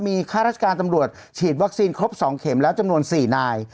มีข้าราชการตำรวจฉีดวัคซีนครบ๒เข็มแล้วจำนวน๔นาย